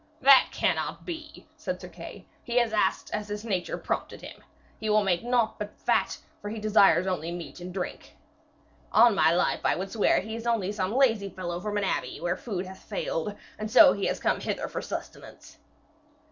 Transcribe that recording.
'That cannot be,' said Sir Kay; 'he has asked as his nature prompted him. He will make naught but fat, for he desires only meat and drink. On my life I would swear he is only some lazy fellow from an abbey, where food hath failed, and so he has come hither for sustenance.'